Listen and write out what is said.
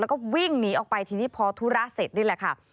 แล้วก็วิ่งหนีออกไปทีนี้พอธุระเสร็จนี่แหละค่ะ